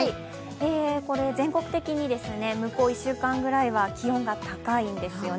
全国的に向こう１週間ぐらいは気温が高いんですよね。